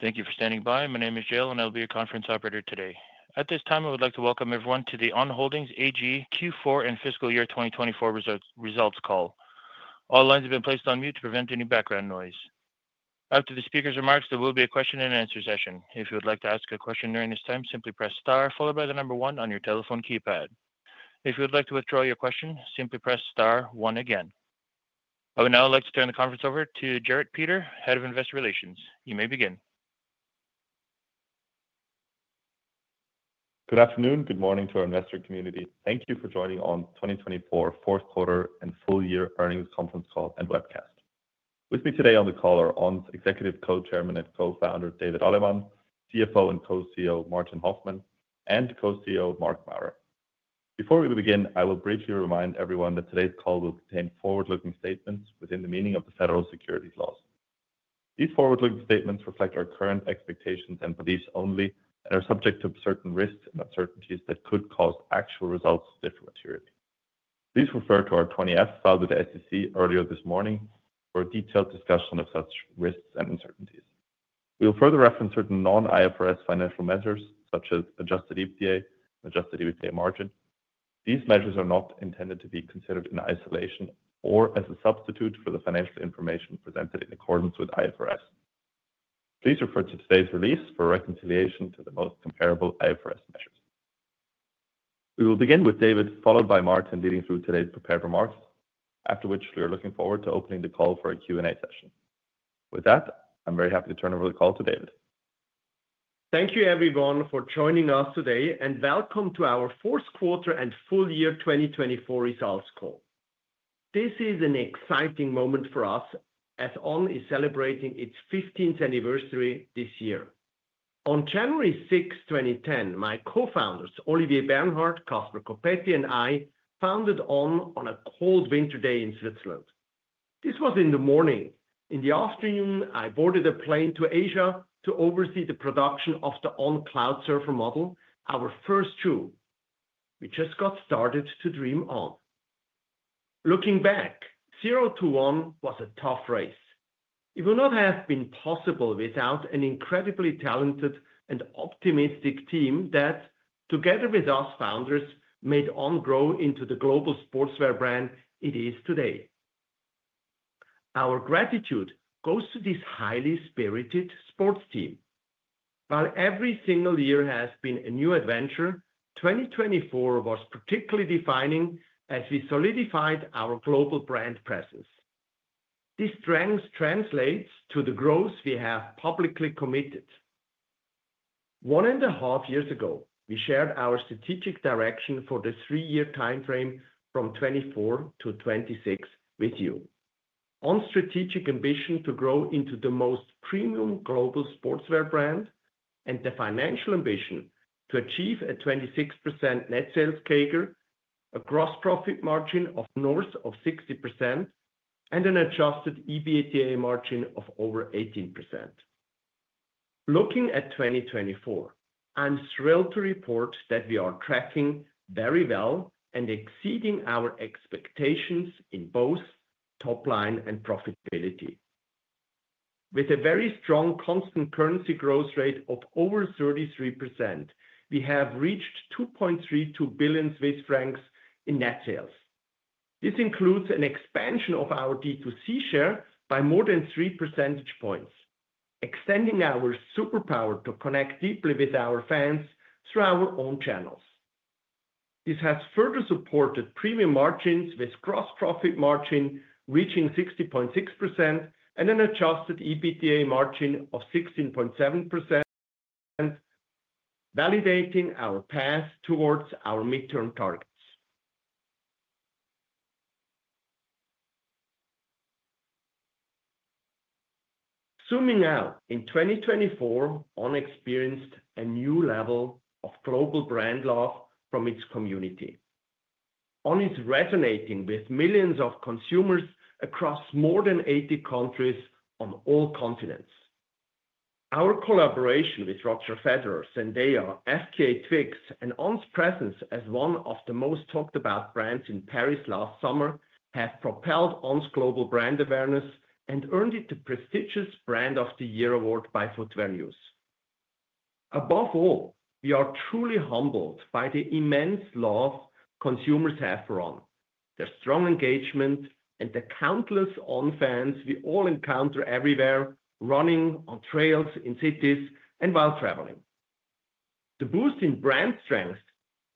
Thank you for standing by. My name is Gael, and I'll be your conference operator today. At this time, I would like to welcome everyone to the On Holding AG Q4 and Fiscal Year 2024 Results call. All lines have been placed on mute to prevent any background noise. After the speaker's remarks, there will be a question-and-answer session. If you would like to ask a question during this time, simply press star followed by the number one on your telephone keypad. If you would like to withdraw your question, simply press star one again. I would now like to turn the conference over to Juerg Durand, Head of Investor Relations. You may begin. Good afternoon and good morning to our investor community. Thank you for joining on 2024 Fourth Quarter and Full Year Earnings Conference Call and Webcast. With me today on the call are On's Executive Co-Chairman and Co-Founder David Allemann, CFO and Co-CEO Martin Hoffmann, and Co-CEO Marc Maurer. Before we begin, I will briefly remind everyone that today's call will contain forward-looking statements within the meaning of the Federal Securities Laws. These forward-looking statements reflect our current expectations and beliefs only and are subject to certain risks and uncertainties that could cause actual results to differ materially. Please refer to our 20-F filed with the SEC earlier this morning for a detailed discussion of such risks and uncertainties. We will further reference certain non-IFRS financial measures such as Adjusted EBITDA and Adjusted EBITDA Margin. These measures are not intended to be considered in isolation or as a substitute for the financial information presented in accordance with IFRS. Please refer to today's release for reconciliation to the most comparable IFRS measures. We will begin with David, followed by Martin leading through today's prepared remarks, after which we are looking forward to opening the call for a Q&A session. With that, I'm very happy to turn over the call to David. Thank you, everyone, for joining us today, and welcome to our Fourth Quarter and Full Year 2024 Results Call. This is an exciting moment for us as On is celebrating its 15th anniversary this year. On January 6, 2010, my co-founders, Olivier Bernhard, Caspar Coppetti, and I founded On on a cold winter day in Switzerland. This was in the morning. In the afternoon, I boarded a plane to Asia to oversee the production of the On Cloudsurfer model, our first shoe. We just got started to dream On. Looking back, zero to one was a tough race. It would not have been possible without an incredibly talented and optimistic team that, together with us founders, made On grow into the global sportswear brand it is today. Our gratitude goes to this highly spirited sports team. While every single year has been a new adventure, 2024 was particularly defining as we solidified our global brand presence. This strength translates to the growth we have publicly committed. One and a half years ago, we shared our strategic direction for the three-year timeframe from 2024 to 2026 with you. On's strategic ambition to grow into the most premium global sportswear brand and the financial ambition to achieve a 26% net sales CAGR, a gross profit margin of north of 60%, and an adjusted EBITDA margin of over 18%. Looking at 2024, I'm thrilled to report that we are tracking very well and exceeding our expectations in both top line and profitability. With a very strong constant currency growth rate of over 33%, we have reached 2.32 billion Swiss francs in net sales. This includes an expansion of our D2C share by more than three percentage points, extending our superpower to connect deeply with our fans through our own channels. This has further supported premium margins with gross profit margin reaching 60.6% and an adjusted EBITDA margin of 16.7%, validating our path towards our midterm targets. Zooming out, in 2024, On experienced a new level of global brand love from its community. On is resonating with millions of consumers across more than 80 countries on all continents. Our collaboration with Roger Federer, Zendaya, FKA Twigs, and On's presence as one of the most talked-about brands in Paris last summer has propelled On's global brand awareness and earned it the prestigious Brand of the Year award by Footwear News. Above all, we are truly humbled by the immense love consumers have for On, their strong engagement, and the countless On fans we all encounter everywhere, running on trails, in cities, and while traveling. The boost in brand strength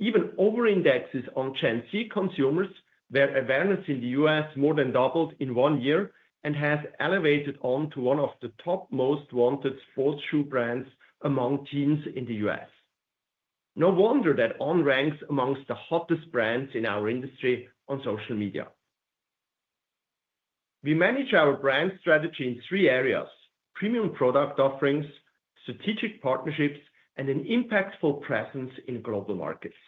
even over-indexes On Gen Z consumers, where awareness in the U.S. more than doubled in one year and has elevated On to one of the top most wanted sports shoe brands among teens in the U.S. No wonder that On ranks amongst the hottest brands in our industry on social media. We manage our brand strategy in three areas: premium product offerings, strategic partnerships, and an impactful presence in global markets.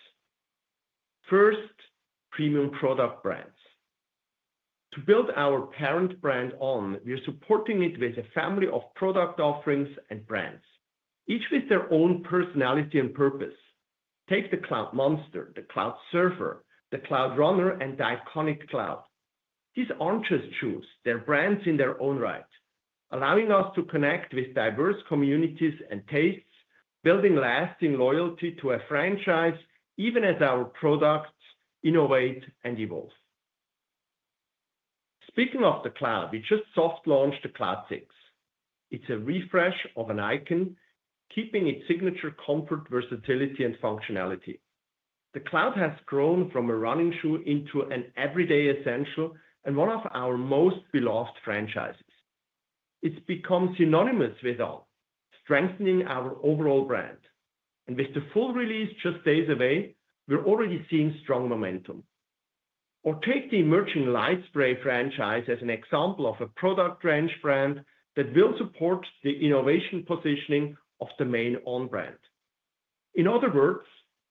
First, premium product brands. To build our parent brand On, we are supporting it with a family of product offerings and brands, each with their own personality and purpose. Take the Cloudmonster, the Cloudsurfer, the Cloudrunner, and the iconic Cloud. These aren't just shoes; they're brands in their own right, allowing us to connect with diverse communities and tastes, building lasting loyalty to a franchise even as our products innovate and evolve. Speaking of the Cloud, we just soft-launched the Cloud 6. It's a refresh of an icon, keeping its signature comfort, versatility, and functionality. The Cloud has grown from a running shoe into an everyday essential and one of our most beloved franchises. It's become synonymous with On, strengthening our overall brand. And with the full release just days away, we're already seeing strong momentum. Or take the emerging LightSpray franchise as an example of a product range brand that will support the innovation positioning of the main On brand. In other words,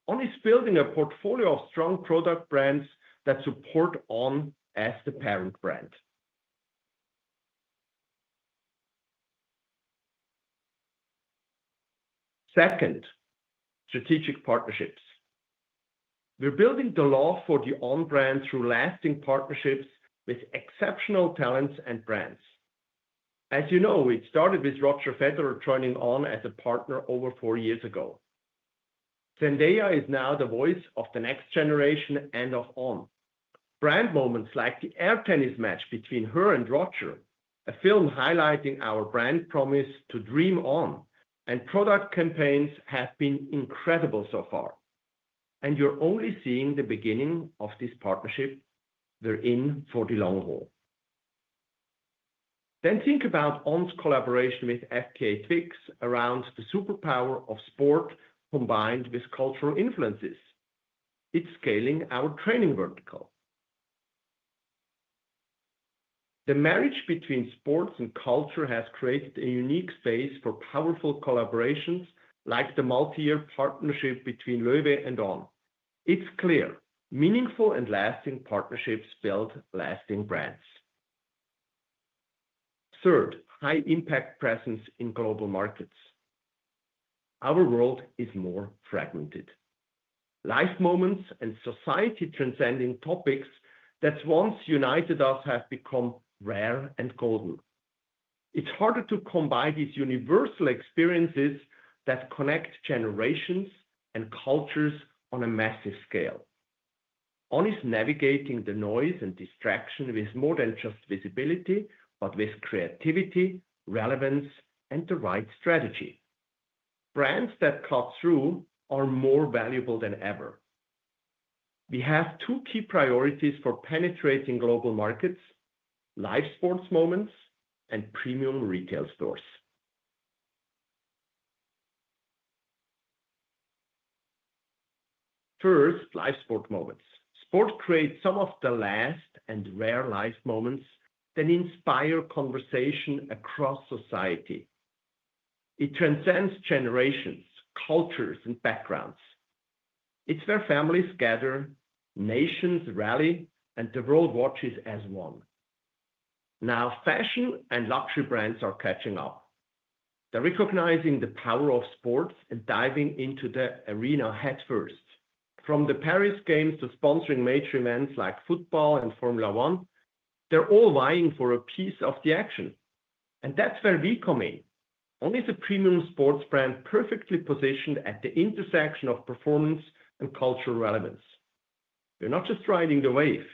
On is building a portfolio of strong product brands that support On as the parent brand. Second, strategic partnerships. We're building the love for the On brand through lasting partnerships with exceptional talents and brands. As you know, we started with Roger Federer joining On as a partner over four years ago. Zendaya is now the voice of the next generation and of On. Brand moments like the Air Tennis match between her and Roger, a film highlighting our brand promise to dream On, and product campaigns have been incredible so far. And you're only seeing the beginning of this partnership. They're in for the long haul. Then think about On's collaboration with FKA Twigs around the superpower of sport combined with cultural influences. It's scaling our training vertical. The marriage between sports and culture has created a unique space for powerful collaborations like the multi-year partnership between Loewe and On. It's clear: meaningful and lasting partnerships build lasting brands. Third, high-impact presence in global markets. Our world is more fragmented. Life moments and society-transcending topics that once united us have become rare and golden. It's harder to combine these universal experiences that connect generations and cultures on a massive scale. On is navigating the noise and distraction with more than just visibility, but with creativity, relevance, and the right strategy. Brands that cut through are more valuable than ever. We have two key priorities for penetrating global markets: live sports moments and premium retail stores. First, live sport moments. Sport creates some of the last and rare life moments that inspire conversation across society. It transcends generations, cultures, and backgrounds. It's where families gather, nations rally, and the world watches as one. Now, fashion and luxury brands are catching up. They're recognizing the power of sports and diving into the arena headfirst. From the Paris Games to sponsoring major events like football and Formula 1, they're all vying for a piece of the action. And that's where we come in. On is a premium sports brand perfectly positioned at the intersection of performance and cultural relevance. We're not just riding the wave;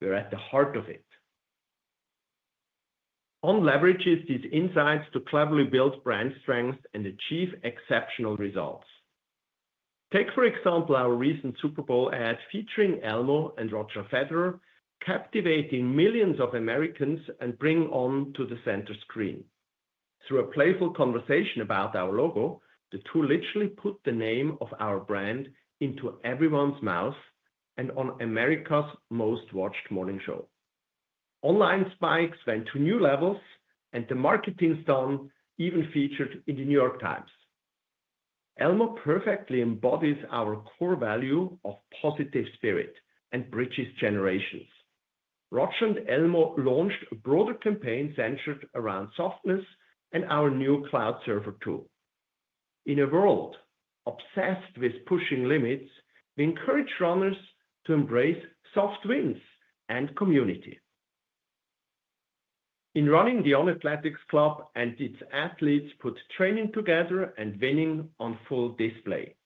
we're at the heart of it. On leverages these insights to cleverly build brand strength and achieve exceptional results. Take, for example, our recent Super Bowl ad featuring Elmo and Roger Federer, captivating millions of Americans and bringing On to the center screen. Through a playful conversation about our logo, the two literally put the name of our brand into everyone's mouth and on America's most-watched morning show. Online spikes went to new levels, and the marketing stunt even featured in the New York Times. Elmo perfectly embodies our core value of positive spirit and bridges generations. Roger and Elmo launched a broader campaign centered around softness and our new Cloudsurfer. In a world obsessed with pushing limits, we encourage runners to embrace soft wins and community. In running, the On Athletics Club and its athletes put training together and winning on full display.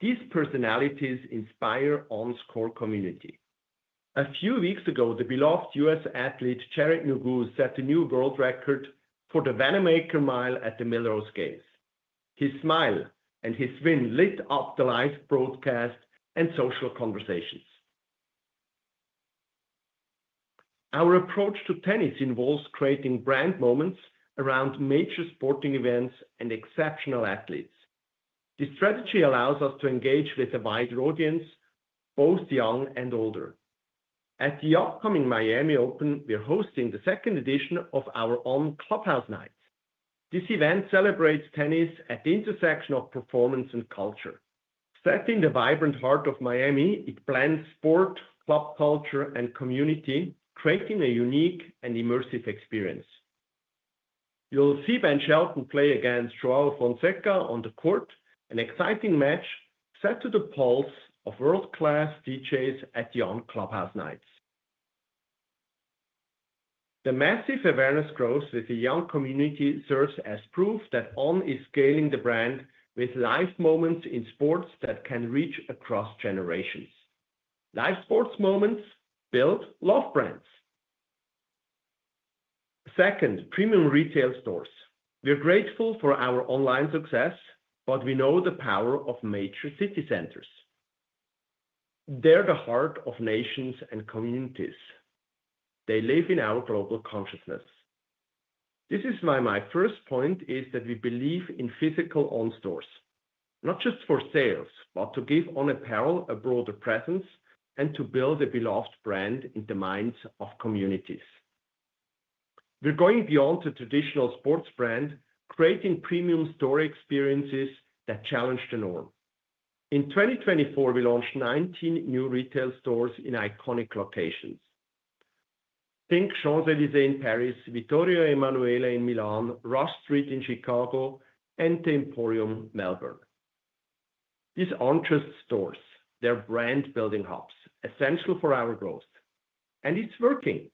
These personalities inspire On's core community. A few weeks ago, the beloved US athlete Yared Nuguse set a new world record for the Wanamaker Mile at the Millrose Games. His smile and his win lit up the live broadcast and social conversations. Our approach to tennis involves creating brand moments around major sporting events and exceptional athletes. This strategy allows us to engage with a wider audience, both young and older. At the upcoming Miami Open, we're hosting the second edition of our On Clubhouse Night. This event celebrates tennis at the intersection of performance and culture. Set in the vibrant heart of Miami, it blends sport, club culture, and community, creating a unique and immersive experience. You'll see Ben Shelton play against João Fonseca on the court, an exciting match set to the pulse of world-class DJs at the On Clubhouse Night. The massive awareness growth with the young community serves as proof that On is scaling the brand with live moments in sports that can reach across generations. Live sports moments build love brands. Second, premium retail stores. We're grateful for our online success, but we know the power of major city centers. They're the heart of nations and communities. They live in our global consciousness. This is why my first point is that we believe in physical On stores, not just for sales, but to give On apparel a broader presence and to build a beloved brand in the minds of communities. We're going beyond the traditional sports brand, creating premium store experiences that challenge the norm. In 2024, we launched 19 new retail stores in iconic locations. Think Champs-Élysées in Paris, Corso Vittorio Emanuele II in Milan, Rush Street in Chicago, and The Emporium Melbourne. These aren't just stores; they're brand-building hubs essential for our growth. And it's working.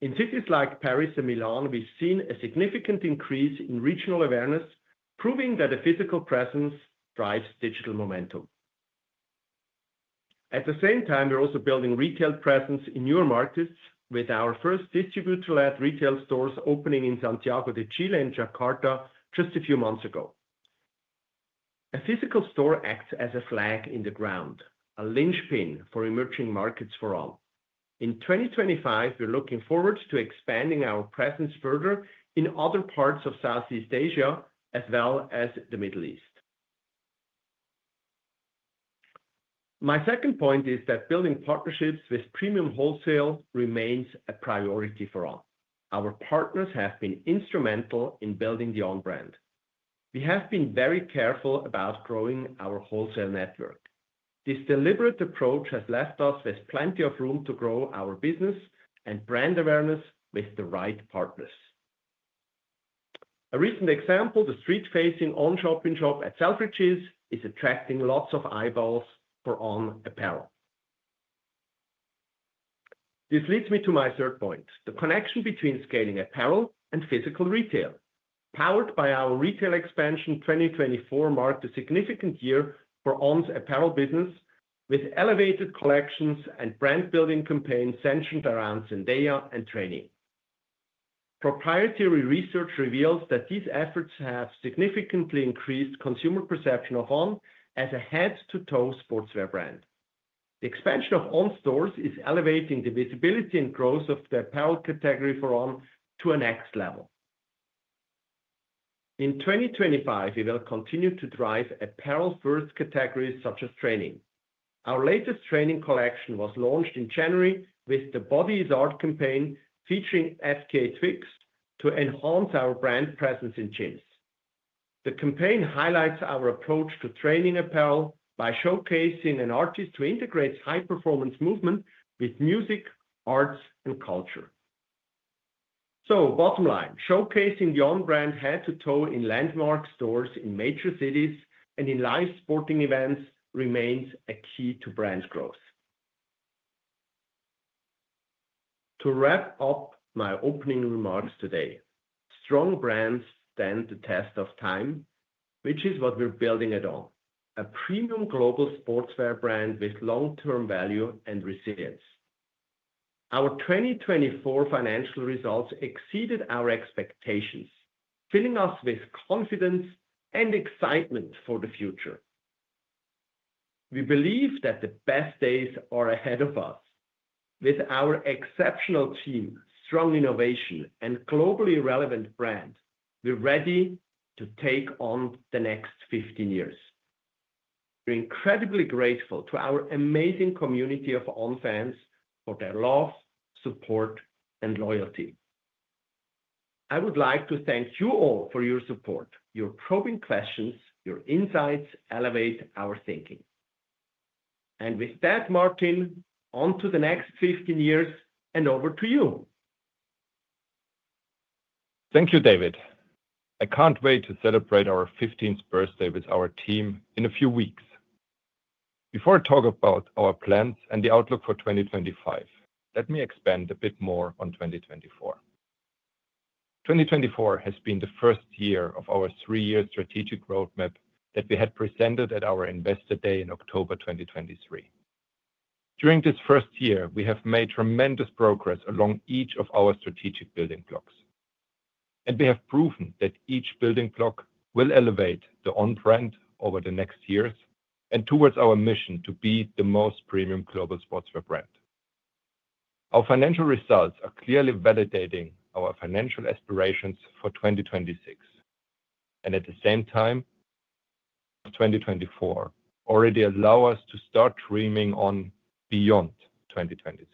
In cities like Paris and Milan, we've seen a significant increase in regional awareness, proving that a physical presence drives digital momentum. At the same time, we're also building retail presence in newer markets with our first distributor-led retail stores opening in Santiago de Chile and Jakarta just a few months ago. A physical store acts as a flag in the ground, a linchpin for emerging markets for On. In 2025, we're looking forward to expanding our presence further in other parts of Southeast Asia as well as the Middle East. My second point is that building partnerships with premium wholesale remains a priority for On. Our partners have been instrumental in building the On brand. We have been very careful about growing our wholesale network. This deliberate approach has left us with plenty of room to grow our business and brand awareness with the right partners. A recent example, the street-facing On shop-in-shop at Selfridges, is attracting lots of eyeballs for On apparel. This leads me to my third point: the connection between scaling apparel and physical retail. Powered by our retail expansion, 2024 marked a significant year for On's apparel business with elevated collections and brand-building campaigns centered around Zendaya and training. Proprietary research reveals that these efforts have significantly increased consumer perception of On as a head-to-toe sportswear brand. The expansion of On stores is elevating the visibility and growth of the apparel category for On to the next level. In 2025, we will continue to drive apparel-first categories such as training. Our latest training collection was launched in January with The Body is Art campaign featuring FKA Twigs to enhance our brand presence in gyms. The campaign highlights our approach to training apparel by showcasing an artist who integrates high-performance movement with music, arts, and culture. So, bottom line: showcasing the On brand head-to-toe in landmark stores in major cities and in live sporting events remains a key to brand growth. To wrap up my opening remarks today, strong brands stand the test of time, which is what we're building at On: a premium global sportswear brand with long-term value and resilience. Our 2024 financial results exceeded our expectations, filling us with confidence and excitement for the future. We believe that the best days are ahead of us. With our exceptional team, strong innovation, and globally relevant brand, we're ready to take on the next 15 years. We're incredibly grateful to our amazing community of On fans for their love, support, and loyalty. I would like to thank you all for your support. Your probing questions, your insights elevate our thinking, and with that, Martin, on to the next 15 years and over to you. Thank you, David. I can't wait to celebrate our 15th birthday with our team in a few weeks. Before I talk about our plans and the outlook for 2025, let me expand a bit more on 2024. 2024 has been the first year of our three-year strategic roadmap that we had presented at our Investor Day in October 2023. During this first year, we have made tremendous progress along each of our strategic building blocks. And we have proven that each building block will elevate the On brand over the next years and towards our mission to be the most premium global sportswear brand. Our financial results are clearly validating our financial aspirations for 2026. And at the same time, 2024 already allows us to start dreaming On beyond 2026.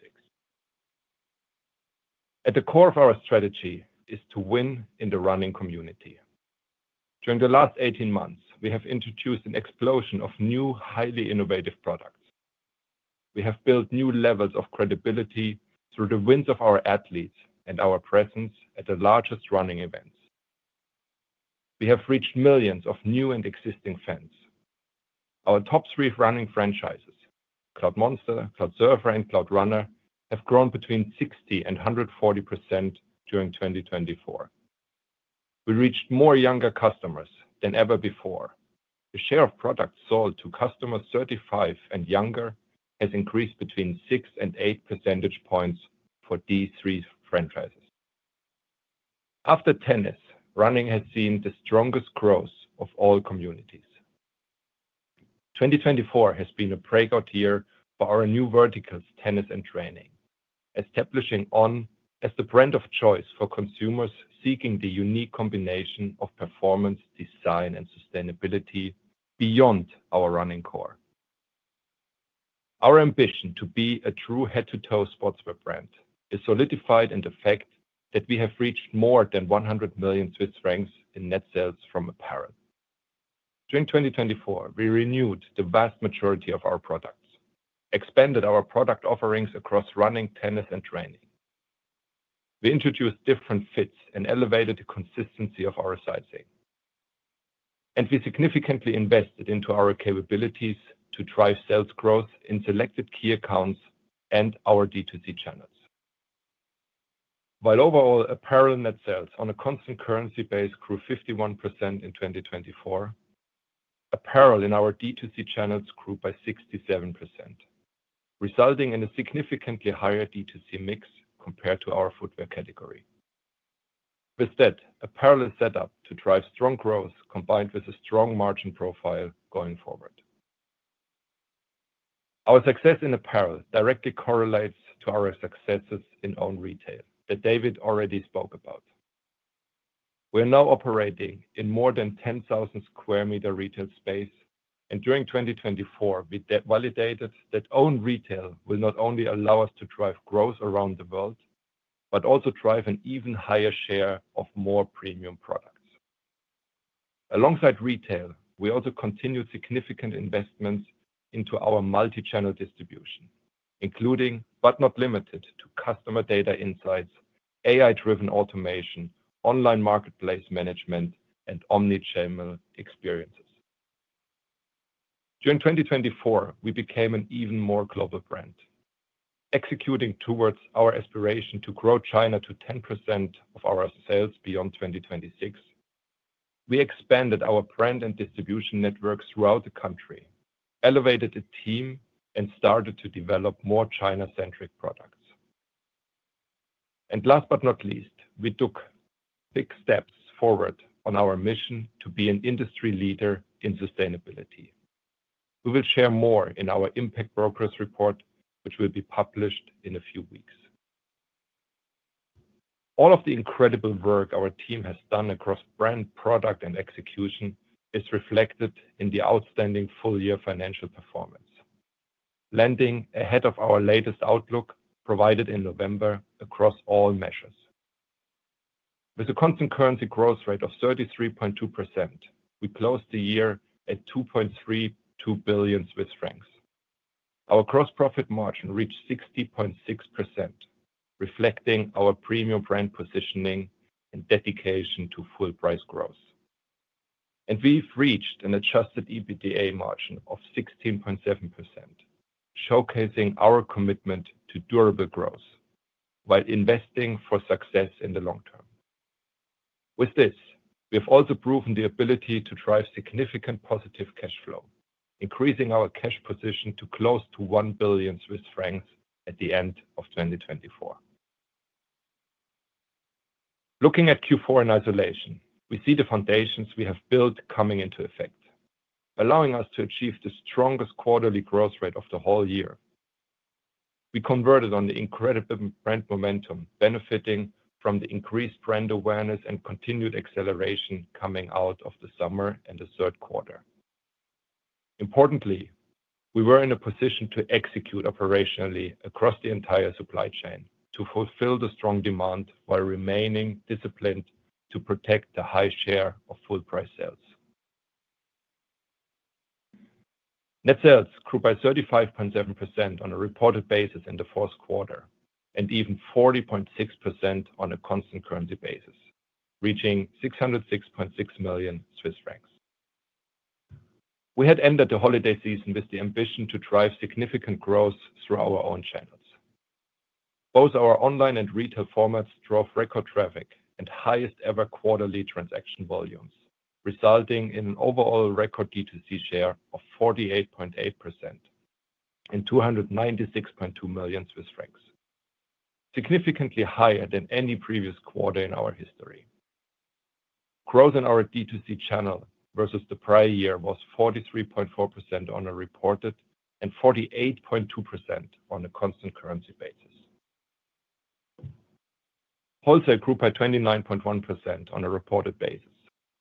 At the core of our strategy is to win in the running community. During the last 18 months, we have introduced an explosion of new, highly innovative products. We have built new levels of credibility through the wins of our athletes and our presence at the largest running events. We have reached millions of new and existing fans. Our top three running franchises, Cloudmonster, Cloudsurfer, and Cloudrunner, have grown between 60% and 140% during 2024. We reached more younger customers than ever before. The share of products sold to customers 35 and younger has increased between 6% and 8% points for these three franchises. After tennis, running has seen the strongest growth of all communities. 2024 has been a breakout year for our new verticals, tennis and training, establishing On as the brand of choice for consumers seeking the unique combination of performance, design, and sustainability beyond our running core. Our ambition to be a true head-to-toe sportswear brand is solidified in the fact that we have reached more than 100 million Swiss francs in net sales from apparel. During 2024, we renewed the vast majority of our products, expanded our product offerings across running, tennis, and training. We introduced different fits and elevated the consistency of our sizing. We significantly invested into our capabilities to drive sales growth in selected key accounts and our D2C channels. While overall apparel net sales on a constant currency base grew 51% in 2024, apparel in our D2C channels grew by 67%, resulting in a significantly higher D2C mix compared to our footwear category. With that, apparel is set up to drive strong growth combined with a strong margin profile going forward. Our success in apparel directly correlates to our successes in On retail that David already spoke about. We are now operating in more than 10,000 square meters of retail space, and during 2024, we validated that On retail will not only allow us to drive growth around the world, but also drive an even higher share of more premium products. Alongside retail, we also continued significant investments into our multi-channel distribution, including but not limited to customer data insights, AI-driven automation, online marketplace management, and omnichannel experiences. During 2024, we became an even more global brand, executing towards our aspiration to grow China to 10% of our sales beyond 2026. We expanded our brand and distribution networks throughout the country, elevated the team, and started to develop more China-centric products. And last but not least, we took big steps forward on our mission to be an industry leader in sustainability. We will share more in our Impact Progress Report, which will be published in a few weeks. All of the incredible work our team has done across brand, product, and execution is reflected in the outstanding full-year financial performance, landing ahead of our latest outlook provided in November across all measures. With a constant currency growth rate of 33.2%, we closed the year at 2.32 billion Swiss francs. Our gross profit margin reached 60.6%, reflecting our premium brand positioning and dedication to full-price growth. And we've reached an adjusted EBITDA margin of 16.7%, showcasing our commitment to durable growth while investing for success in the long term. With this, we have also proven the ability to drive significant positive cash flow, increasing our cash position to close to 1 billion Swiss francs at the end of 2024. Looking at Q4 in isolation, we see the foundations we have built coming into effect, allowing us to achieve the strongest quarterly growth rate of the whole year. We converted on the incredible brand momentum, benefiting from the increased brand awareness and continued acceleration coming out of the summer and the third quarter. Importantly, we were in a position to execute operationally across the entire supply chain to fulfill the strong demand while remaining disciplined to protect the high share of full-price sales. Net sales grew by 35.7% on a reported basis in the fourth quarter and even 40.6% on a constant currency basis, reaching 606.6 million Swiss francs. We had ended the holiday season with the ambition to drive significant growth through our own channels. Both our online and retail formats drove record traffic and highest-ever quarterly transaction volumes, resulting in an overall record D2C share of 48.8% and 296.2 million Swiss francs, significantly higher than any previous quarter in our history. Growth in our D2C channel versus the prior year was 43.4% on a reported and 48.2% on a constant currency basis. Wholesale grew by 29.1% on a reported basis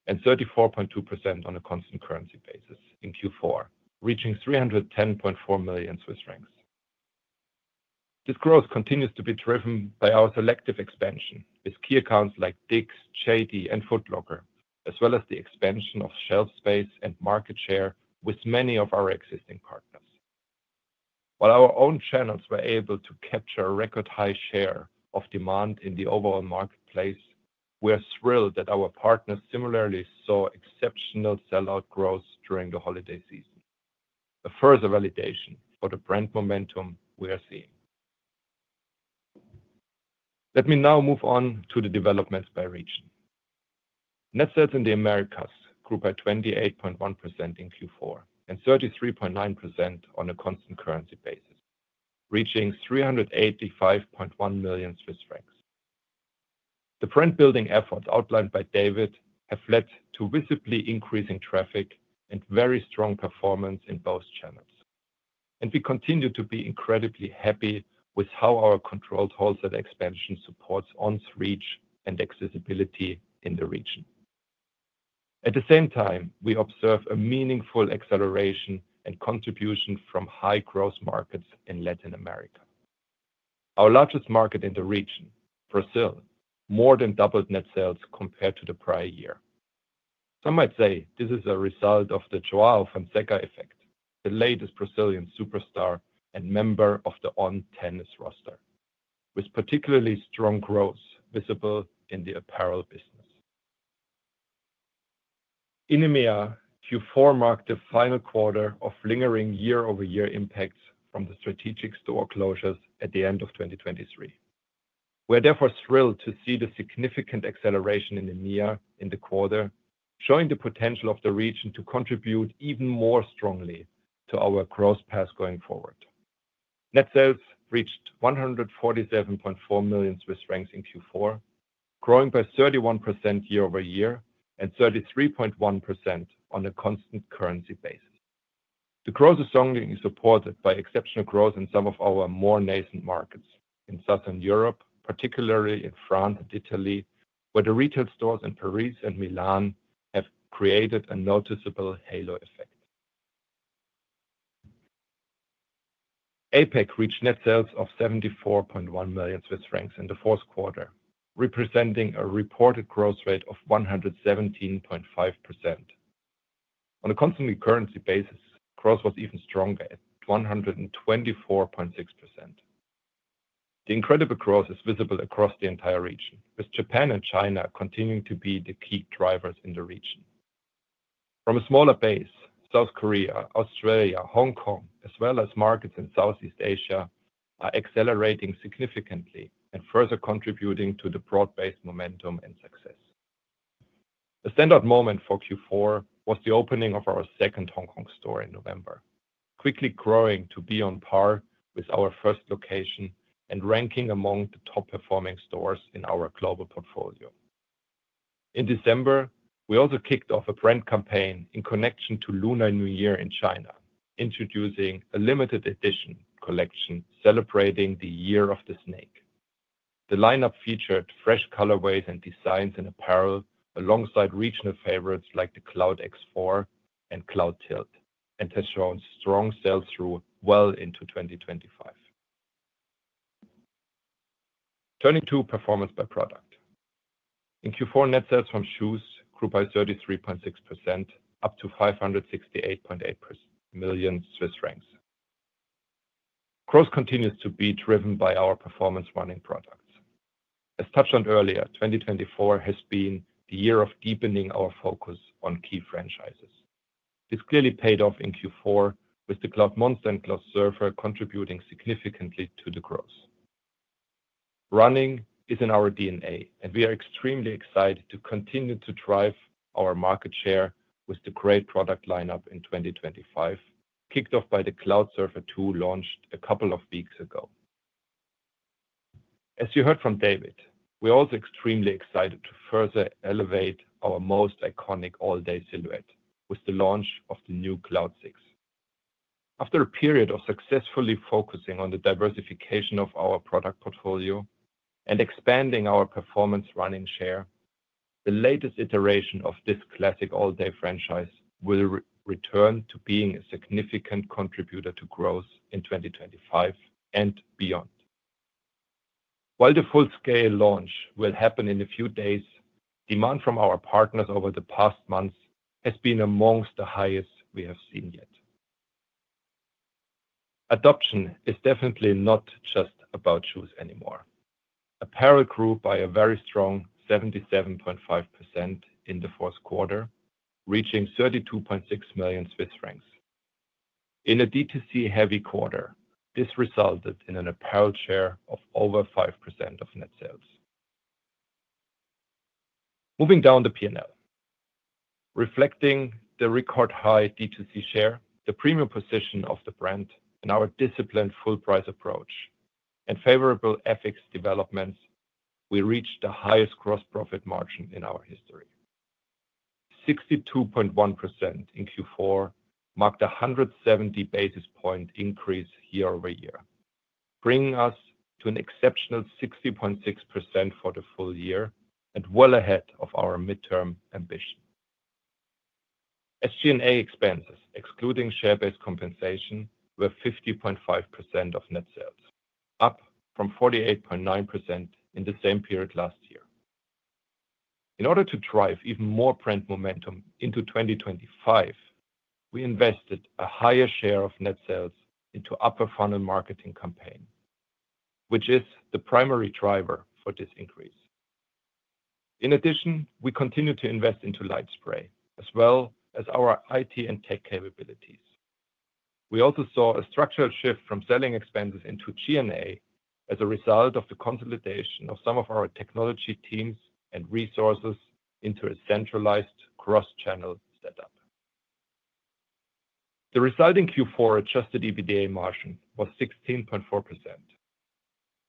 and 34.2% on a constant currency basis in Q4, reaching 310.4 million Swiss francs. This growth continues to be driven by our selective expansion with key accounts like Dick's, JD, and Foot Locker, as well as the expansion of shelf space and market share with many of our existing partners. While our own channels were able to capture a record high share of demand in the overall marketplace, we are thrilled that our partners similarly saw exceptional sellout growth during the holiday season, a further validation for the brand momentum we are seeing. Let me now move on to the developments by region. Net sales in the Americas grew by 28.1% in Q4 and 33.9% on a constant currency basis, reaching 385.1 million CHF. The brand-building efforts outlined by David have led to visibly increasing traffic and very strong performance in both channels. We continue to be incredibly happy with how our controlled wholesale expansion supports On's reach and accessibility in the region. At the same time, we observe a meaningful acceleration and contribution from high-growth markets in Latin America. Our largest market in the region, Brazil, more than doubled net sales compared to the prior year. Some might say this is a result of the João Fonseca effect, the latest Brazilian superstar and member of the On tennis roster, with particularly strong growth visible in the apparel business. In EMEA, Q4 marked the final quarter of lingering year-over-year impacts from the strategic store closures at the end of 2023. We are therefore thrilled to see the significant acceleration in EMEA in the quarter, showing the potential of the region to contribute even more strongly to our growth path going forward. Net sales reached 147.4 million Swiss francs in Q4, growing by 31% year-over-year and 33.1% on a constant currency basis. The growth is strongly supported by exceptional growth in some of our more nascent markets in Southern Europe, particularly in France and Italy, where the retail stores in Paris and Milan have created a noticeable halo effect. APEC reached net sales of 74.1 million Swiss francs in the fourth quarter, representing a reported growth rate of 117.5%. On a constant currency basis, growth was even stronger at 124.6%. The incredible growth is visible across the entire region, with Japan and China continuing to be the key drivers in the region. From a smaller base, South Korea, Australia, Hong Kong, as well as markets in Southeast Asia, are accelerating significantly and further contributing to the broad-based momentum and success. The standout moment for Q4 was the opening of our second Hong Kong store in November, quickly growing to be on par with our first location and ranking among the top-performing stores in our global portfolio. In December, we also kicked off a brand campaign in connection to Lunar New Year in China, introducing a limited edition collection celebrating the Year of the Snake. The lineup featured fresh colorways and designs in apparel alongside regional favorites like the Cloud X 4 and Cloudtilt and has shown strong sell-through well into 2025. Turning to performance by product, in Q4, net sales from shoes grew by 33.6%, up to 568.8 million Swiss francs. Growth continues to be driven by our performance running products. As touched on earlier, 2024 has been the year of deepening our focus on key franchises. This clearly paid off in Q4, with the Cloudmonster and Cloudsurfer contributing significantly to the growth. Running is in our DNA, and we are extremely excited to continue to drive our market share with the great product lineup in 2025, kicked off by the Cloudsurfer 2 launched a couple of weeks ago. As you heard from David Allemann, we are also extremely excited to further elevate our most iconic all-day silhouette with the launch of the new Cloud 6. After a period of successfully focusing on the diversification of our product portfolio and expanding our performance running share, the latest iteration of this classic all-day franchise will return to being a significant contributor to growth in 2025 and beyond. While the full-scale launch will happen in a few days, demand from our partners over the past months has been among the highest we have seen yet. Adoption is definitely not just about shoes anymore. Apparel grew by a very strong 77.5% in the fourth quarter, reaching 32.6 million Swiss francs. In a D2C-heavy quarter, this resulted in an apparel share of over 5% of net sales. Moving down the P&L, reflecting the record high D2C share, the premium position of the brand, and our disciplined full-price approach, and favorable FX developments, we reached the highest gross profit margin in our history. 62.1% in Q4 marked a 170 basis point increase year-over-year, bringing us to an exceptional 60.6% for the full year and well ahead of our midterm ambition. SG&A expenses, excluding share-based compensation, were 50.5% of net sales, up from 48.9% in the same period last year. In order to drive even more brand momentum into 2025, we invested a higher share of net sales into upper-funnel marketing campaign, which is the primary driver for this increase. In addition, we continue to invest into LightSpray, as well as our IT and tech capabilities. We also saw a structural shift from selling expenses into G&A as a result of the consolidation of some of our technology teams and resources into a centralized cross-channel setup. The resulting Q4 adjusted EBITDA margin was 16.4%.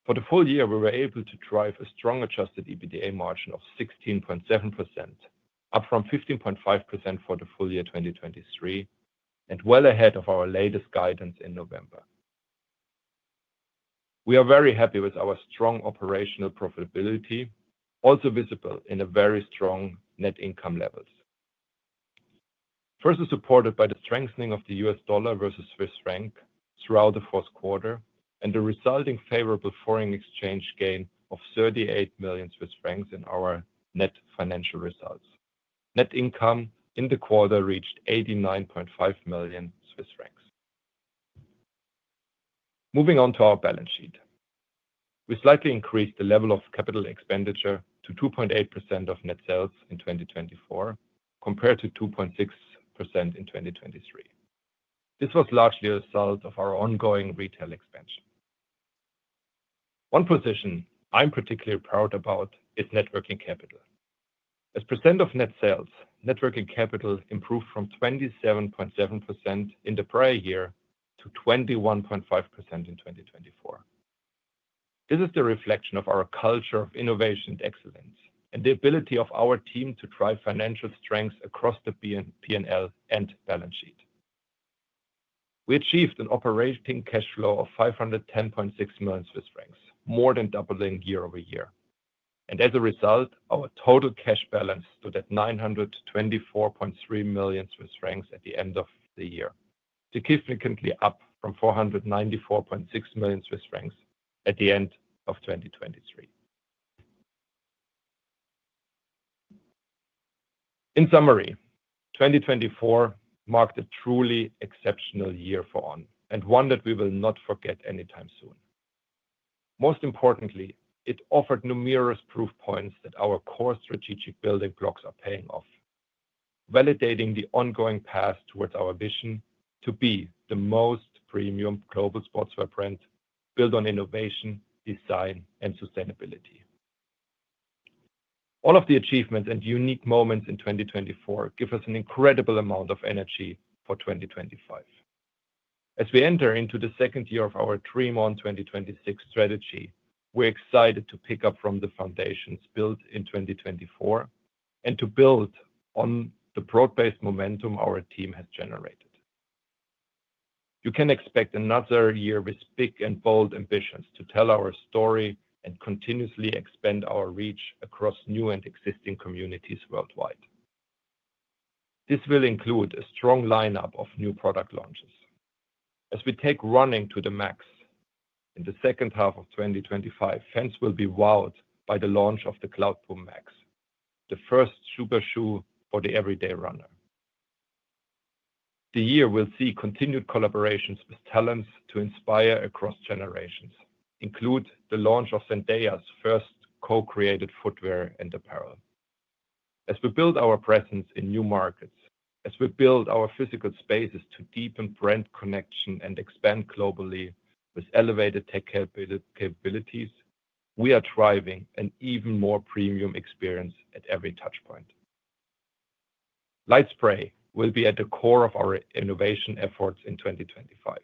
For the full year, we were able to drive a strong adjusted EBITDA margin of 16.7%, up from 15.5% for the full year 2023, and well ahead of our latest guidance in November. We are very happy with our strong operational profitability, also visible in very strong net income levels, further supported by the strengthening of the US dollar versus Swiss franc throughout the fourth quarter and the resulting favorable foreign exchange gain of 38 million Swiss francs in our net financial results. Net income in the quarter reached 89.5 million Swiss francs. Moving on to our balance sheet, we slightly increased the level of capital expenditure to 2.8% of net sales in 2024 compared to 2.6% in 2023. This was largely a result of our ongoing retail expansion. One position I'm particularly proud about is net working capital. As a percent of net sales, net working capital improved from 27.7% in the prior year to 21.5% in 2024. This is the reflection of our culture of innovation and excellence and the ability of our team to drive financial strength across the P&L and balance sheet. We achieved an operating cash flow of 510.6 million Swiss francs, more than doubling year-over-year, and as a result, our total cash balance stood at 924.3 million Swiss francs at the end of the year, significantly up from 494.6 million Swiss francs at the end of 2023. In summary, 2024 marked a truly exceptional year for On and one that we will not forget anytime soon. Most importantly, it offered numerous proof points that our core strategic building blocks are paying off, validating the ongoing path towards our vision to be the most premium global sportswear brand built on innovation, design, and sustainability. All of the achievements and unique moments in 2024 give us an incredible amount of energy for 2025. As we enter into the second year of our Dream On 2026 strategy, we're excited to pick up from the foundations built in 2024 and to build on the broad-based momentum our team has generated. You can expect another year with big and bold ambitions to tell our story and continuously expand our reach across new and existing communities worldwide. This will include a strong lineup of new product launches. As we take running to the max in the H2 of 2025, fans will be wowed by the launch of the Cloudboom Max, the first super shoe for the everyday runner. The year will see continued collaborations with talents to inspire across generations, including the launch of Zendaya's first co-created footwear and apparel. As we build our presence in new markets, as we build our physical spaces to deepen brand connection and expand globally with elevated tech capabilities, we are driving an even more premium experience at every touchpoint. LightSpray will be at the core of our innovation efforts in 2025.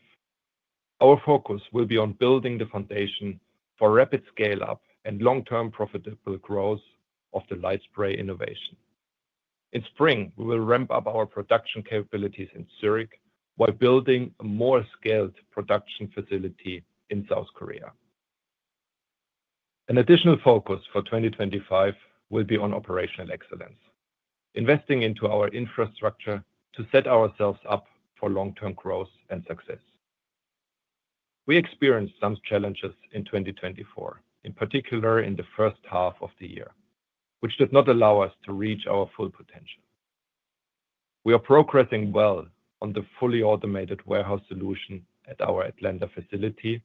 Our focus will be on building the foundation for rapid scale-up and long-term profitable growth of the LightSpray innovation. In spring, we will ramp up our production capabilities in Zurich while building a more scaled production facility in South Korea. An additional focus for 2025 will be on operational excellence, investing into our infrastructure to set ourselves up for long-term growth and success. We experienced some challenges in 2024, in particular in the H1 of the year, which did not allow us to reach our full potential. We are progressing well on the fully automated warehouse solution at our Atlanta facility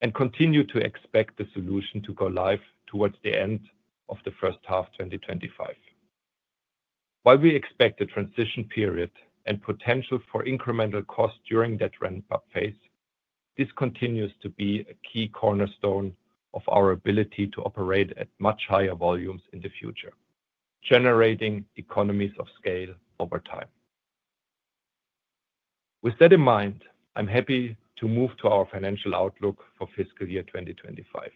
and continue to expect the solution to go live towards the end of the H1 of 2025. While we expect a transition period and potential for incremental costs during that ramp-up phase, this continues to be a key cornerstone of our ability to operate at much higher volumes in the future, generating economies of scale over time. With that in mind, I'm happy to move to our financial outlook for fiscal year 2025.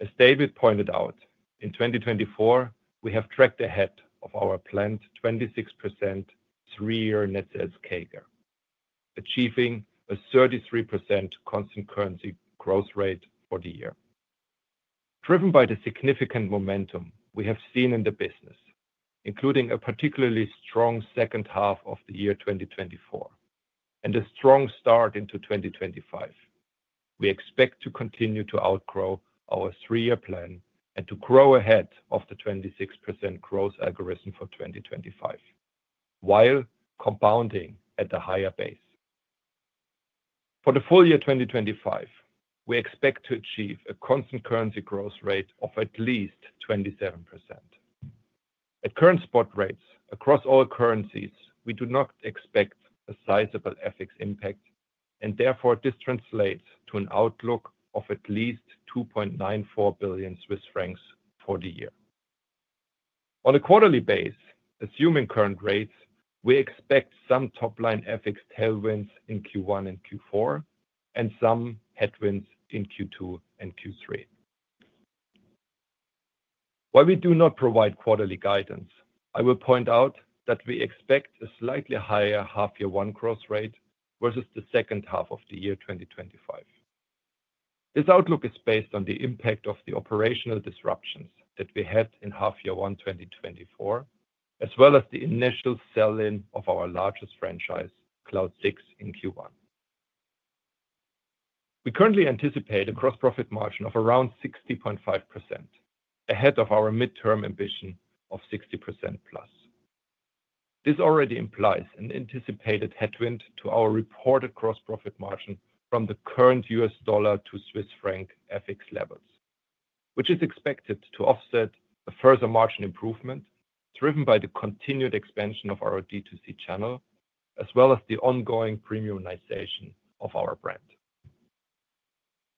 As David pointed out, in 2024, we have tracked ahead of our planned 26% three-year net sales CAGR, achieving a 33% constant currency growth rate for the year. Driven by the significant momentum we have seen in the business, including a particularly strong H2 of the year 2024 and a strong start into 2025, we expect to continue to outgrow our three-year plan and to grow ahead of the 26% growth algorithm for 2025 while compounding at the higher base. For the full year 2025, we expect to achieve a constant currency growth rate of at least 27%. At current spot rates across all currencies, we do not expect a sizable FX impact, and therefore this translates to an outlook of at least 2.94 billion Swiss francs for the year. On a quarterly base, assuming current rates, we expect some top-line FX tailwinds in Q1 and Q4 and some headwinds in Q2 and Q3. While we do not provide quarterly guidance, I will point out that we expect a slightly higher half-year one growth rate versus the H2 of the year 2025. This outlook is based on the impact of the operational disruptions that we had in half-year one 2024, as well as the initial sell-in of our largest franchise, Cloud 6, in Q1. We currently anticipate a gross profit margin of around 60.5% ahead of our midterm ambition of 60% plus. This already implies an anticipated headwind to our reported gross profit margin from the current USD to CHF FX levels, which is expected to offset a further margin improvement driven by the continued expansion of our D2C channel, as well as the ongoing premiumization of our brand.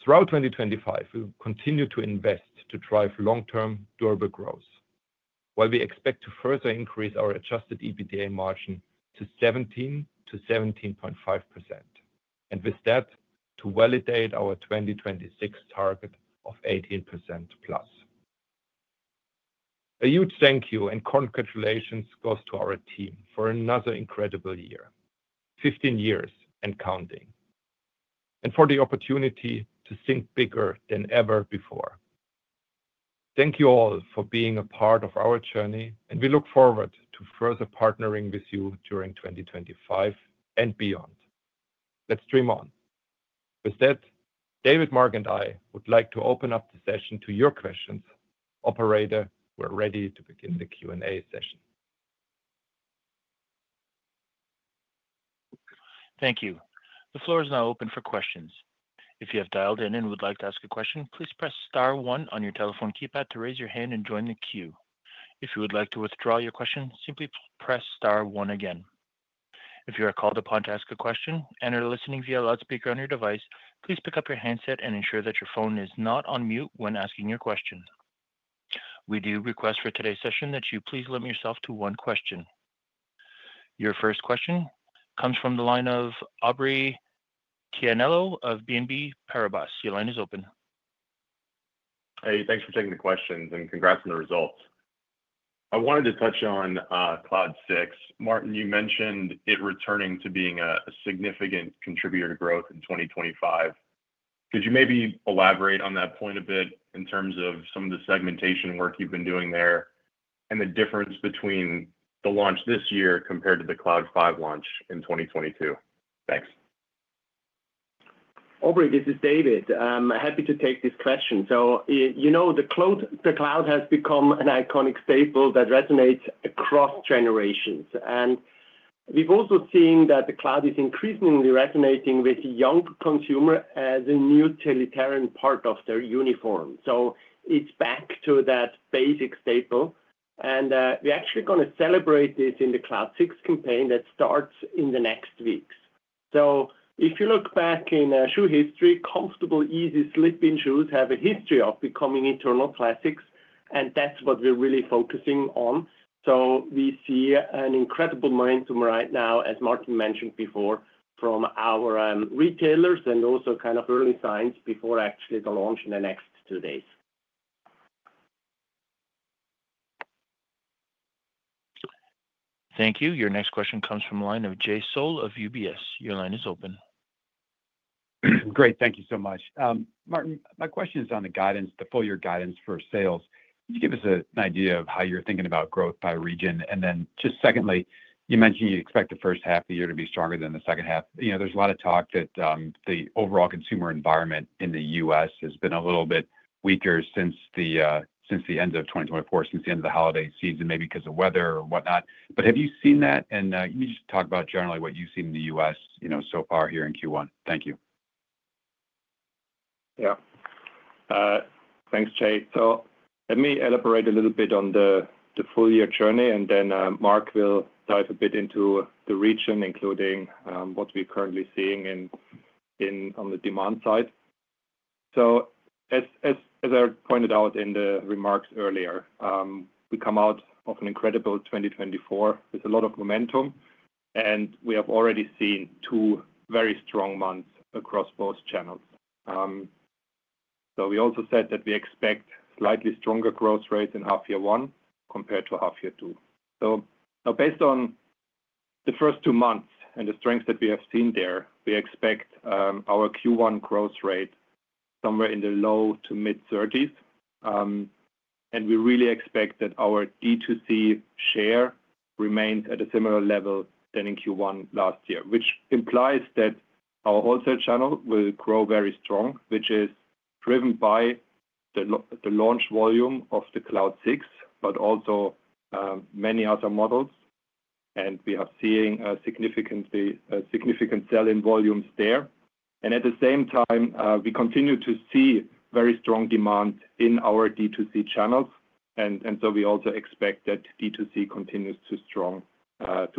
Throughout 2025, we will continue to invest to drive long-term durable growth, while we expect to further increase our Adjusted EBITDA margin to 17%-17.5%, and with that, to validate our 2026 target of 18% plus. A huge thank you and congratulations go to our team for another incredible year, 15 years and counting, and for the opportunity to think bigger than ever before. Thank you all for being a part of our journey, and we look forward to further partnering with you during 2025 and beyond. Let's dream on. With that, David, Marc, and I would like to open up the session to your questions. Operator, we're ready to begin the Q&A session. Thank you. The floor is now open for questions. If you have dialed in and would like to ask a question, please press star one on your telephone keypad to raise your hand and join the queue. If you would like to withdraw your question, simply press star one again. If you are called upon to ask a question and are listening via loudspeaker on your device, please pick up your handset and ensure that your phone is not on mute when asking your question. We do request for today's session that you please limit yourself to one question. Your first question comes from the line of Aubrey Tianello of BNP Paribas. Your line is open. Hey, thanks for taking the questions and congrats on the results. I wanted to touch on Cloud 6. Martin, you mentioned it returning to being a significant contributor to growth in 2025. Could you maybe elaborate on that point a bit in terms of some of the segmentation work you've been doing there and the difference between the launch this year compared to the Cloud 5 launch in 2022? Thanks. Aubrey, this is David. I'm happy to take this question. You know the Cloud has become an iconic staple that resonates across generations. We've also seen that the Cloud is increasingly resonating with young consumers as a new utilitarian part of their uniform. It's back to that basic staple. We're actually going to celebrate this in the Cloud 6 campaign that starts in the next weeks. If you look back in shoe history, comfortable, easy slipping shoes have a history of becoming eternal classics. That's what we're really focusing on. So we see an incredible momentum right now, as Martin mentioned before, from our retailers and also kind of early signs before actually the launch in the next two days. Thank you. Your next question comes from the line of Jay Sole of UBS. Your line is open. Great. Thank you so much. Martin, my question is on the guidance, the full year guidance for sales. Just give us an idea of how you're thinking about growth by region. And then just secondly, you mentioned you expect the H1of the year to be stronger than the H2. There's a lot of talk that the overall consumer environment in the U.S. has been a little bit weaker since the end of 2024, since the end of the holiday season, maybe because of weather or whatnot. But have you seen that? You just talk about generally what you've seen in the US so far here in Q1. Thank you. Yeah. Thanks, Jay. So let me elaborate a little bit on the full year journey, and then Marc will dive a bit into the region, including what we're currently seeing on the demand side. So as I pointed out in the remarks earlier, we come out of an incredible 2024 with a lot of momentum, and we have already seen two very strong months across both channels. So we also said that we expect slightly stronger growth rates in half-year one compared to half-year two. So now, based on the first two months and the strengths that we have seen there, we expect our Q1 growth rate somewhere in the low- to mid-30s. We really expect that our D2C share remains at a similar level to in Q1 last year, which implies that our wholesale channel will grow very strong, which is driven by the launch volume of the Cloud 6, but also many other models. And we are seeing a significant sell-in volumes there. And at the same time, we continue to see very strong demand in our D2C channels. And so we also expect that D2C continues to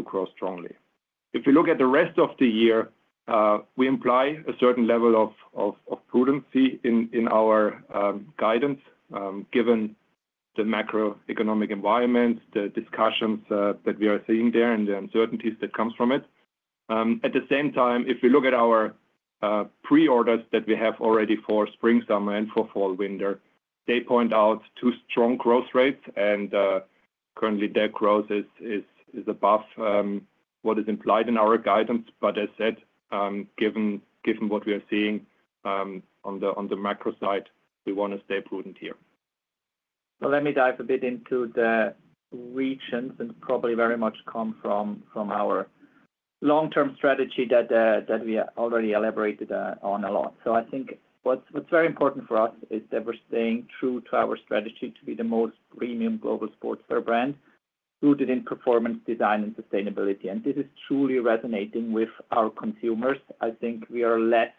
grow strongly. If we look at the rest of the year, we imply a certain level of prudence in our guidance, given the macroeconomic environment, the discussions that we are seeing there, and the uncertainties that come from it. At the same time, if we look at our pre-orders that we have already for spring, summer, and for fall, winter, they point out to strong growth rates. Currently, their growth is above what is implied in our guidance. As said, given what we are seeing on the macro side, we want to stay prudent here. Let me dive a bit into the regions and probably very much come from our long-term strategy that we already elaborated on a lot. I think what's very important for us is that we're staying true to our strategy to be the most premium global sportswear brand rooted in performance, design, and sustainability. This is truly resonating with our consumers. I think we are less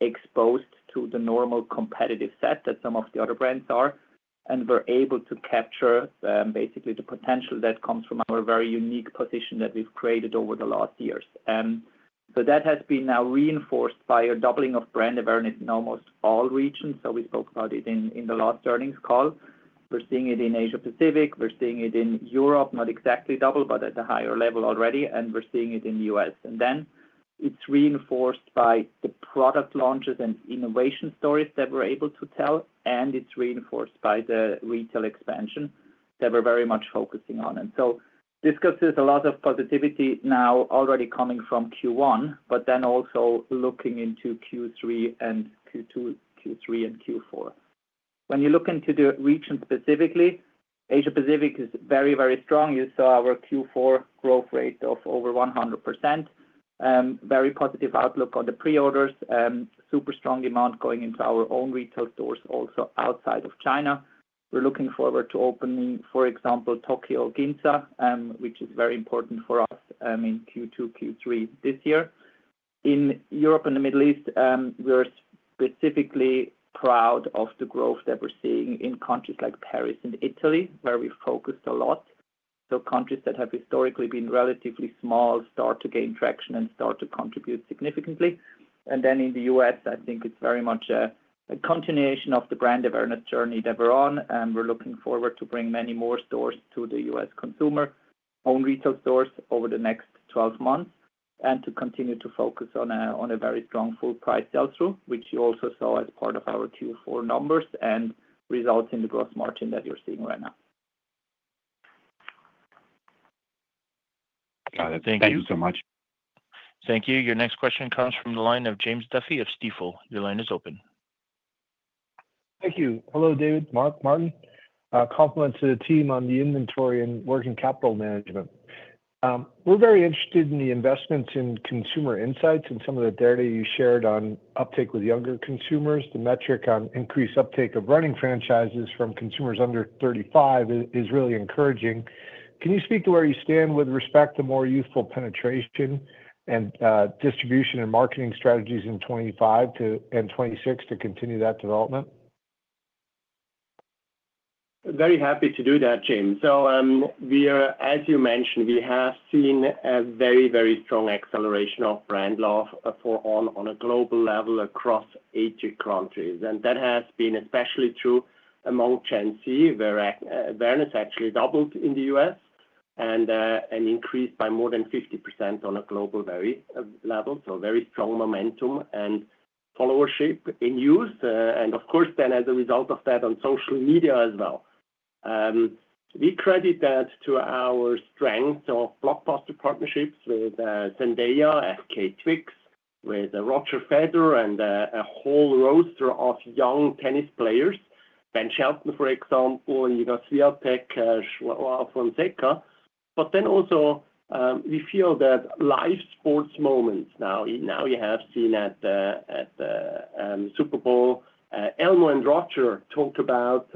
exposed to the normal competitive set that some of the other brands are, and we're able to capture basically the potential that comes from our very unique position that we've created over the last years. So that has been now reinforced by a doubling of brand awareness in almost all regions. So we spoke about it in the last earnings call. We're seeing it in Asia-Pacific. We're seeing it in Europe, not exactly double, but at a higher level already. And we're seeing it in the US. And then it's reinforced by the product launches and innovation stories that we're able to tell. And it's reinforced by the retail expansion that we're very much focusing on. And so this consists of a lot of positivity now already coming from Q1, but then also looking into Q3 and Q4. When you look into the region specifically, Asia-Pacific is very, very strong. You saw our Q4 growth rate of over 100%, very positive outlook on the pre-orders, super strong demand going into our own retail stores also outside of China. We're looking forward to opening, for example, Tokyo Ginza, which is very important for us in Q2, Q3 this year. In Europe and the Middle East, we're specifically proud of the growth that we're seeing in countries like France and Italy, where we focused a lot. Countries that have historically been relatively small start to gain traction and start to contribute significantly. And then in the US, I think it's very much a continuation of the brand awareness journey that we're on. And we're looking forward to bringing many more stores to the US consumer, own retail stores over the next 12 months, and to continue to focus on a very strong full-price sales through, which you also saw as part of our Q4 numbers and results in the gross margin that you're seeing right now. Got it. Thank you so much. Thank you. Your next question comes from the line of James Duffy of Stifel. Your line is open. Thank you. Hello, David, Mark, Martin. Compliments to the team on the inventory and working capital management. We're very interested in the investments in consumer insights and some of the data you shared on uptake with younger consumers. The metric on increased uptake of running franchises from consumers under 35 is really encouraging. Can you speak to where you stand with respect to more youthful penetration and distribution and marketing strategies in 2025 and 2026 to continue that development? Very happy to do that, James. So as you mentioned, we have seen a very, very strong acceleration of brand love for On on a global level across 80 countries. And that has been especially true among Gen Z, where awareness actually doubled in the U.S. and increased by more than 50% on a global level. So very strong momentum and followership in youth. Of course, then as a result of that on social media as well. We credit that to our strength of blockbuster partnerships with Zendaya, FKA Twigs, with Roger Federer, and a whole roster of young tennis players, Ben Shelton, for example, and Iga Świątek, João Fonseca. Then also we feel that live sports moments now. Now you have seen at the Super Bowl, Elmo and Roger talk about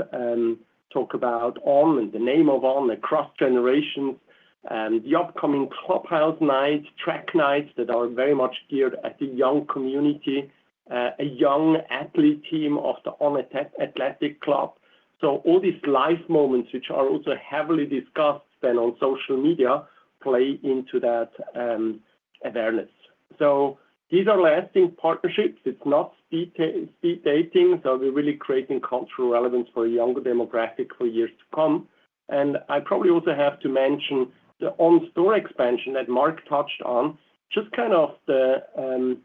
On, the name On, across generations, the upcoming Clubhouse nights, track nights that are very much geared at the young community, a young athlete team of the On Athletics Club. All these live moments, which are also heavily discussed then on social media, play into that awareness. These are lasting partnerships. It's not speed dating. We're really creating cultural relevance for a younger demographic for years to come. I probably also have to mention the On store expansion that Mark touched on, just kind of the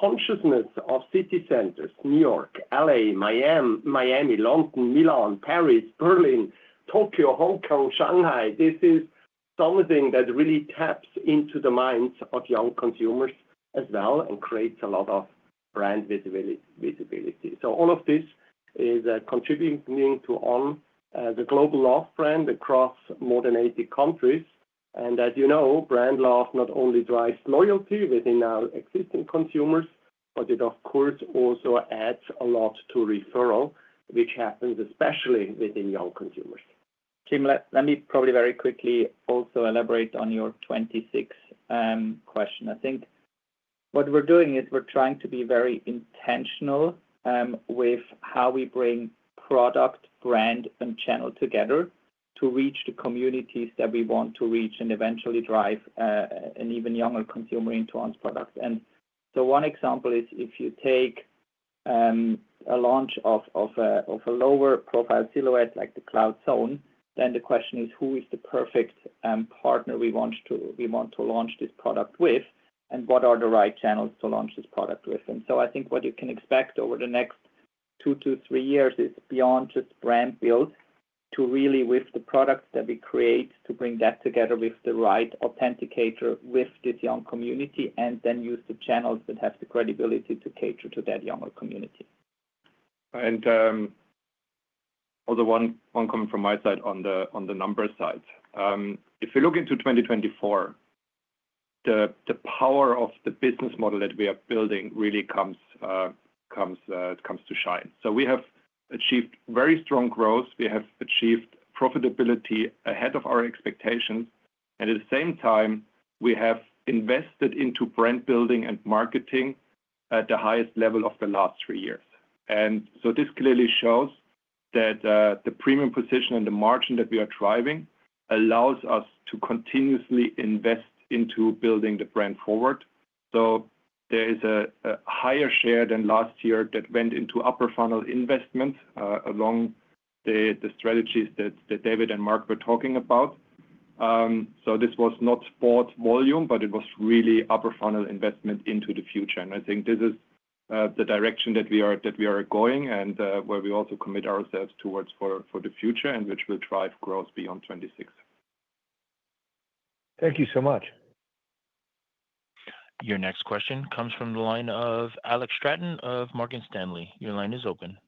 conquest of city centers, New York, LA, Miami, London, Milan, Paris, Berlin, Tokyo, Hong Kong, Shanghai. This is something that really taps into the minds of young consumers as well and creates a lot of brand visibility. So all of this is contributing to the global love brand across more than 80 countries. And as you know, brand love not only drives loyalty within our existing consumers, but it, of course, also adds a lot to referrals, which happens especially within young consumers. Jim, let me probably very quickly also elaborate on your Q2 question. I think what we're doing is we're trying to be very intentional with how we bring product, brand, and channel together to reach the communities that we want to reach and eventually drive an even younger consumer into our products. And so one example is if you take a launch of a lower profile silhouette like the Cloudzone, then the question is, who is the perfect partner we want to launch this product with, and what are the right channels to launch this product with? And so I think what you can expect over the next two to three years is beyond just brand build, to really, with the products that we create, to bring that together with the right authenticator with this young community and then use the channels that have the credibility to cater to that younger community. Also one coming from my side on the numbers side. If we look into 2024, the power of the business model that we are building really comes to shine. So we have achieved very strong growth. We have achieved profitability ahead of our expectations. And at the same time, we have invested into brand building and marketing at the highest level of the last three years. And so this clearly shows that the premium position and the margin that we are driving allows us to continuously invest into building the brand forward. So there is a higher share than last year that went into upper funnel investment along the strategies that David and Mark were talking about. So this was not bought volume, but it was really upper funnel investment into the future. I think this is the direction that we are going and where we also commit ourselves towards for the future and which will drive growth beyond 2026. Thank you so much. Your next question comes from the line of Alex Straton of Morgan Stanley. Your line is open.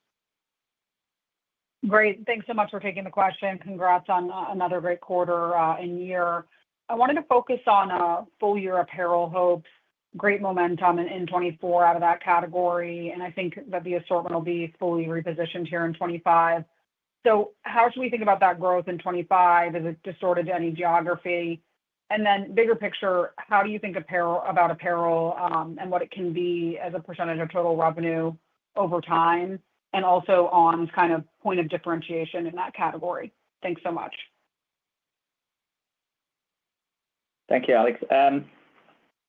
Great. Thanks so much for taking the question. Congrats on another great quarter and year. I wanted to focus on full year apparel hopes, great momentum in 2024 out of that category. And I think that the assortment will be fully repositioned here in 2025. So how should we think about that growth in 2025? Is it destined to any geography? And then bigger picture, how do you think about apparel and what it can be as a percentage of total revenue over time and also on kind of point of differentiation in that category? Thanks so much. Thank you, Alex.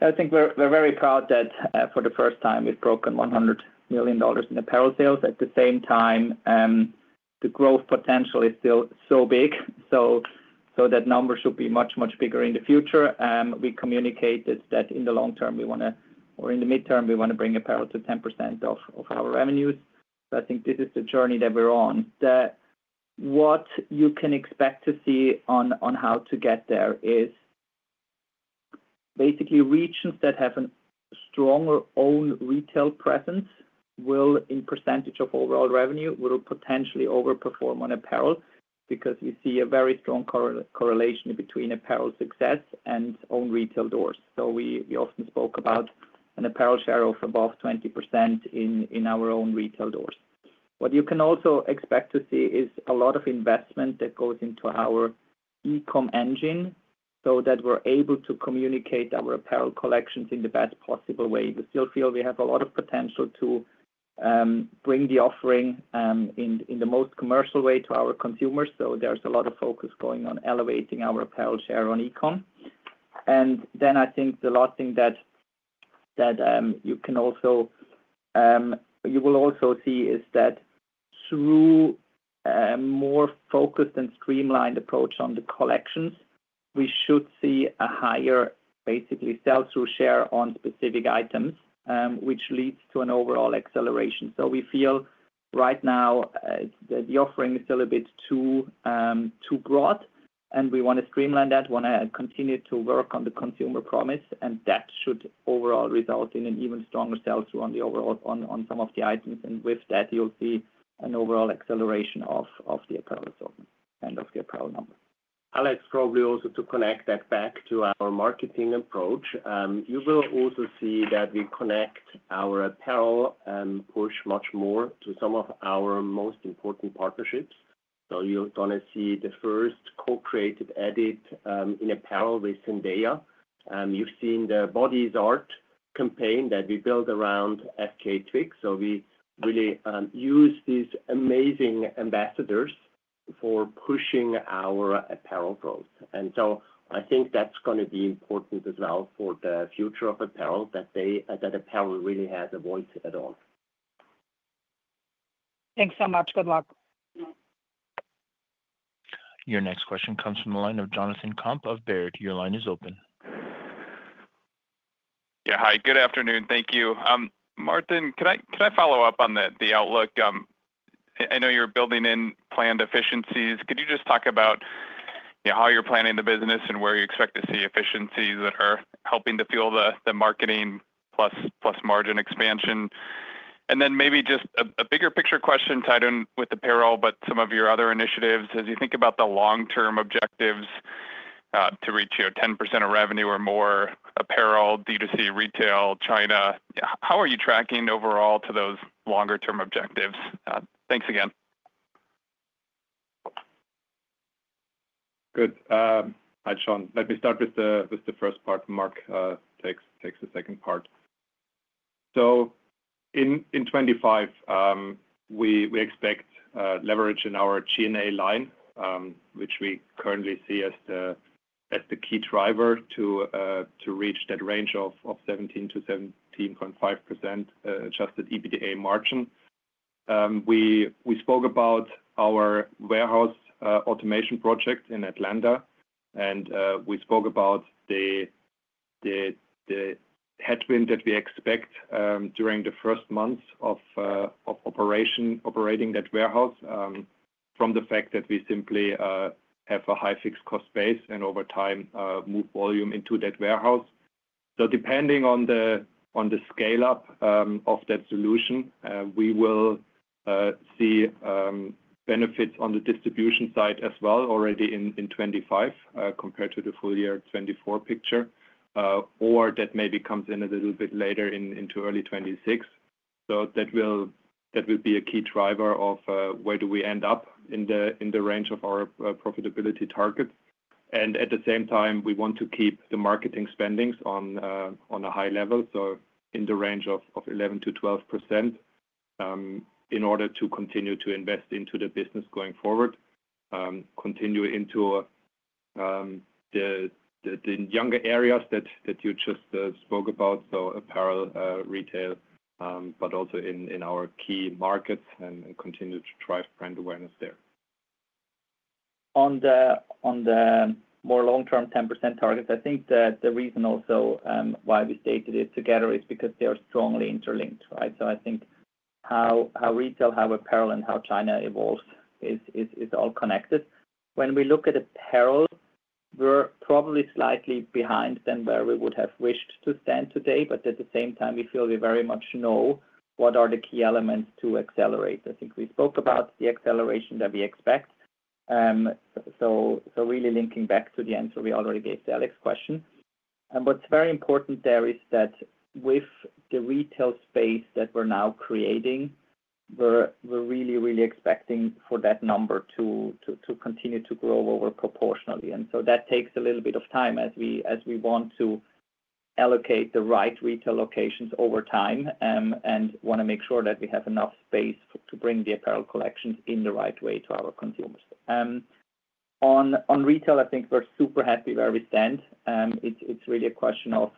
I think we're very proud that for the first time, we've broken $100 million in apparel sales. At the same time, the growth potential is still so big. So that number should be much, much bigger in the future. We communicated that in the long term, we want to, or in the midterm, we want to bring apparel to 10% of our revenues. So I think this is the journey that we're on. What you can expect to see on how to get there is basically regions that have a stronger own retail presence will, in percentage of overall revenue, potentially overperform on apparel because we see a very strong correlation between apparel success and own retail doors. So we often spoke about an apparel share of above 20% in our own retail doors. What you can also expect to see is a lot of investment that goes into our e-comm engine so that we're able to communicate our apparel collections in the best possible way. We still feel we have a lot of potential to bring the offering in the most commercial way to our consumers. So there's a lot of focus going on elevating our apparel share on e-comm. And then I think the last thing that you will also see is that through a more focused and streamlined approach on the collections, we should see a higher, basically, sales through share on specific items, which leads to an overall acceleration. So we feel right now that the offering is still a bit too broad, and we want to streamline that, want to continue to work on the consumer promise. That should overall result in even stronger sales through On some of the items. With that, you'll see an overall acceleration of the apparel assortment and of the apparel number. Alex, probably also to connect that back to our marketing approach, you will also see that we connect our apparel push much more to some of our most important partnerships. So you're going to see the first co-created edit in apparel with Zendaya. You've seen the Body Is Art campaign that we built around FKA Twigs. So we really use these amazing ambassadors for pushing our apparel growth. And so I think that's going to be important as well for the future of apparel, that apparel really has a voice at all. Thanks so much. Good luck. Your next question comes from the line of Jonathan Komp of Baird. Your line is open. Yeah. Hi. Good afternoon. Thank you. Martin, can I follow up on the outlook? I know you're building in planned efficiencies. Could you just talk about how you're planning the business and where you expect to see efficiencies that are helping to fuel the marketing plus margin expansion? And then maybe just a bigger picture question tied in with apparel, but some of your other initiatives. As you think about the long-term objectives to reach 10% of revenue or more apparel, D2C, retail, China, how are you tracking overall to those longer-term objectives? Thanks again. Good. Hi, Jon. Let me start with the first part. Marc takes the second part. So in 2025, we expect leverage in our G&A line, which we currently see as the key driver to reach that range of 17%-17.5% Adjusted EBITDA margin. We spoke about our warehouse automation project in Atlanta, and we spoke about the headwind that we expect during the first months of operating that warehouse from the fact that we simply have a high fixed cost base and over time move volume into that warehouse. So depending on the scale-up of that solution, we will see benefits on the distribution side as well already in 2025 compared to the full year 2024 picture, or that maybe comes in a little bit later into early 2026. So that will be a key driver of where do we end up in the range of our profitability target. At the same time, we want to keep the marketing spendings on a high level, so in the range of 11%-12% in order to continue to invest into the business going forward, continue into the younger areas that you just spoke about, so apparel, retail, but also in our key markets and continue to drive brand awareness there. On the more long-term 10% target, I think that the reason also why we stated it together is because they are strongly interlinked, right? So I think how retail, how apparel, and how China evolves is all connected. When we look at apparel, we're probably slightly behind than where we would have wished to stand today. But at the same time, we feel we very much know what are the key elements to accelerate. I think we spoke about the acceleration that we expect. So really linking back to the answer we already gave to Alex's question. And what's very important there is that with the retail space that we're now creating, we're really, really expecting for that number to continue to grow over-proportionally. And so that takes a little bit of time as we want to allocate the right retail locations over time and want to make sure that we have enough space to bring the apparel collections in the right way to our consumers. On retail, I think we're super happy where we stand. It's really a question of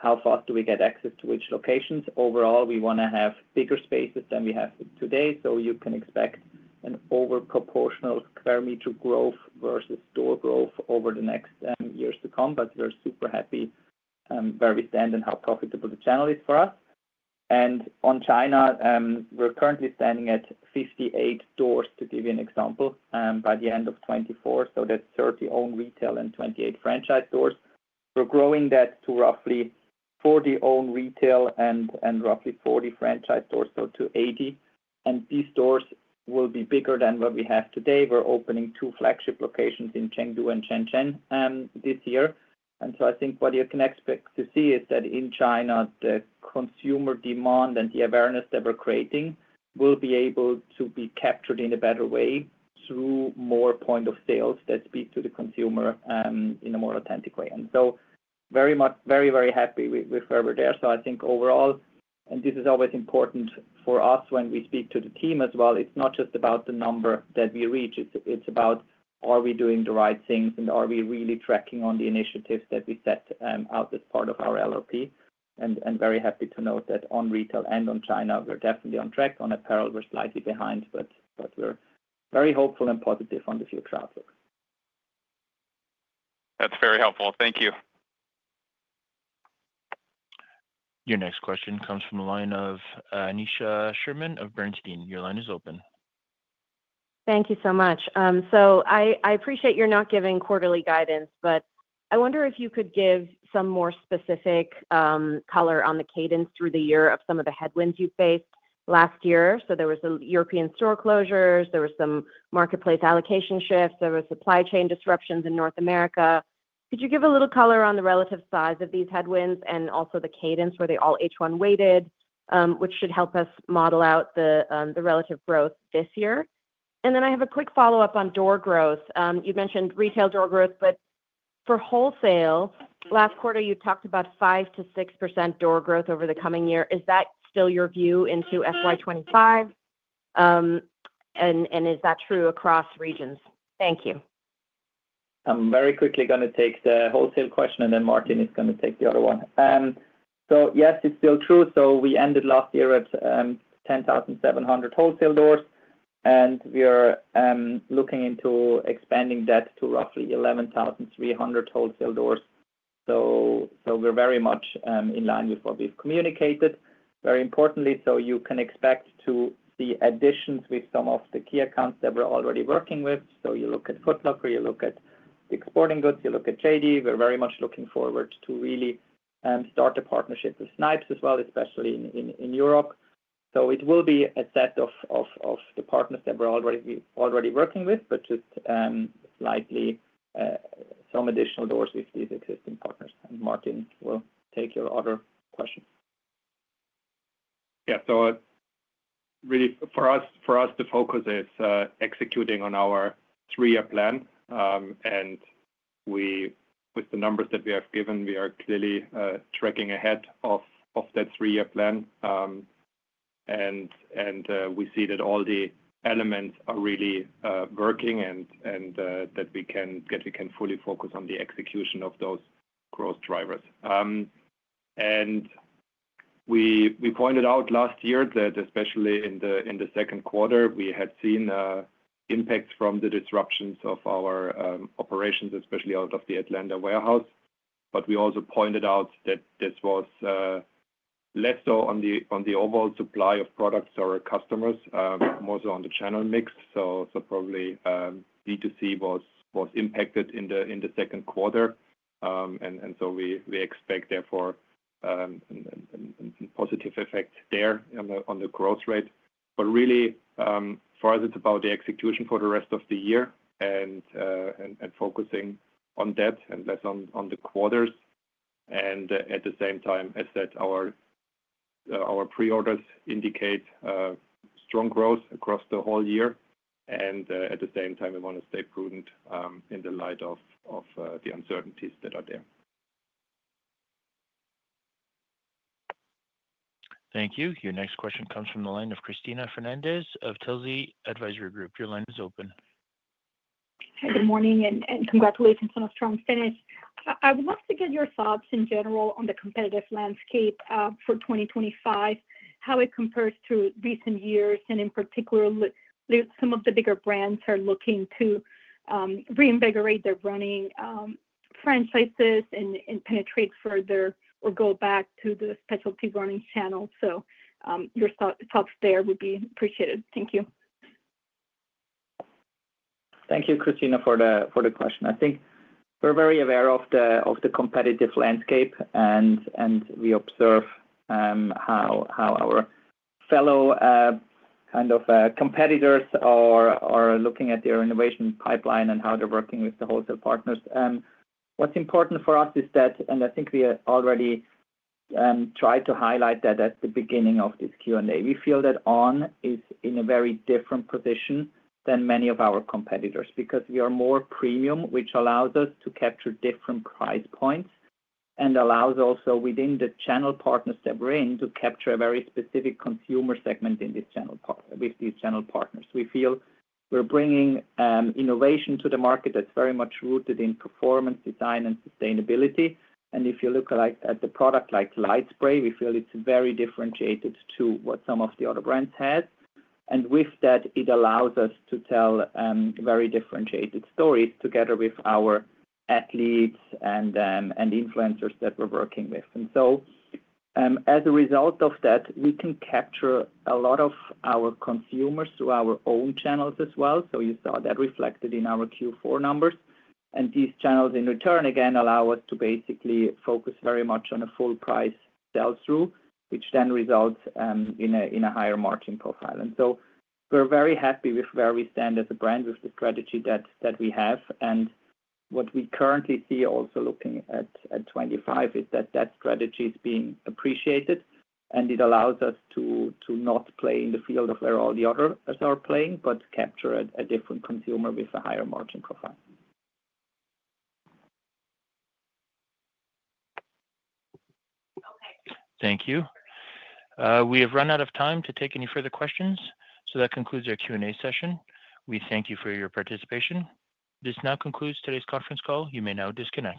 how fast do we get access to which locations. Overall, we want to have bigger spaces than we have today. So you can expect an over-proportional square meter growth versus store growth over the next years to come. We're super happy where we stand and how profitable the channel is for us. On China, we're currently standing at 58 doors, to give you an example, by the end of 2024. So that's 30 own retail and 28 franchise doors. We're growing that to roughly 40 own retail and roughly 40 franchise doors, so to 80. And these doors will be bigger than what we have today. We're opening two flagship locations in Chengdu and Shenzhen this year. So I think what you can expect to see is that in China, the consumer demand and the awareness that we're creating will be able to be captured in a better way through more point of sales that speak to the consumer in a more authentic way. So very happy with where we're there. So I think overall, and this is always important for us when we speak to the team as well, it's not just about the number that we reach. It's about, are we doing the right things? And are we really tracking on the initiatives that we set out as part of our LRP? And very happy to note that on retail and on China, we're definitely on track. On apparel, we're slightly behind, but we're very hopeful and positive on the future outlook. That's very helpful. Thank you. Your next question comes from the line of Aneesha Sherman of Bernstein. Your line is open. Thank you so much. So I appreciate you're not giving quarterly guidance, but I wonder if you could give some more specific color on the cadence through the year of some of the headwinds you faced last year. So there were European store closures, there were some marketplace allocation shifts, there were supply chain disruptions in North America. Could you give a little color on the relative size of these headwinds and also the cadence? Were they all H-1 weighted, which should help us model out the relative growth this year? And then I have a quick follow-up on door growth. You mentioned retail door growth, but for wholesale, last quarter, you talked about 5% to 6% door growth over the coming year. Is that still your view into FY25? And is that true across regions? Thank you. I'm very quickly going to take the wholesale question, and then Martin is going to take the other one. So yes, it's still true. So we ended last year at 10,700 wholesale doors, and we are looking into expanding that to roughly 11,300 wholesale doors. We're very much in line with what we've communicated. Very importantly, you can expect to see additions with some of the key accounts that we're already working with. You look at Foot Locker, you look at Dick's, you look at JD Sports. We're very much looking forward to really start a partnership with Snipes as well, especially in Europe. It will be a set of the partners that we're already working with, but just slightly some additional doors with these existing partners. And Martin will take your other question. Yeah. Really, for us to focus, it's executing on our three-year plan. And with the numbers that we have given, we are clearly tracking ahead of that three-year plan. And we see that all the elements are really working and that we can fully focus on the execution of those growth drivers. We pointed out last year that especially in the second quarter, we had seen impacts from the disruptions of our operations, especially out of the Atlanta warehouse. But we also pointed out that this was less so on the overall supply of products or customers, more so on the channel mix. So probably D2C was impacted in the second quarter. And so we expect, therefore, a positive effect there on the growth rate. But really, for us, it's about the execution for the rest of the year and focusing on that and less on the quarters. And at the same time, as our pre-orders indicate, strong growth across the whole year. And at the same time, we want to stay prudent in the light of the uncertainties that are there. Thank you. Your next question comes from the line of Cristina Fernandez of Telsey Advisory Group. Your line is open. Hi, good morning, and congratulations on a strong finish. I would love to get your thoughts in general on the competitive landscape for 2025, how it compares to recent years, and in particular, some of the bigger brands are looking to reinvigorate their running franchises and penetrate further or go back to the specialty running channel. So your thoughts there would be appreciated. Thank you. Thank you, Cristina, for the question. I think we're very aware of the competitive landscape, and we observe how our fellow kind of competitors are looking at their innovation pipeline and how they're working with the wholesale partners. What's important for us is that, and I think we already tried to highlight that at the beginning of this Q&A, we feel that On is in a very different position than many of our competitors because we are more premium, which allows us to capture different price points and allows also, within the channel partners that we're in, to capture a very specific consumer segment with these channel partners. We feel we're bringing innovation to the market that's very much rooted in performance, design, and sustainability. And if you look at the product like LightSpray, we feel it's very differentiated to what some of the other brands have. And with that, it allows us to tell very differentiated stories together with our athletes and influencers that we're working with. So as a result of that, we can capture a lot of our consumers through our own channels as well. So you saw that reflected in our Q4 numbers. And these channels, in return, again, allow us to basically focus very much on a full-price sell-through, which then results in a higher margin profile. And so we're very happy with where we stand as a brand with the strategy that we have. And what we currently see, also looking at '25, is that that strategy is being appreciated, and it allows us to not play in the field of where all the others are playing, but capture a different consumer with a higher margin profile. Okay. Thank you. We have run out of time to take any further questions. So that concludes our Q&A session. We thank you for your participation. This now concludes today's conference call. You may now disconnect.